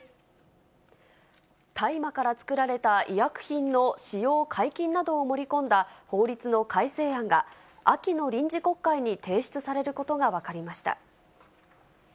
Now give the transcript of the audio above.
大麻から作られた医薬品の使用解禁などを盛り込んだ法律の改正案が、秋の臨時国会に提出されることが分かりました。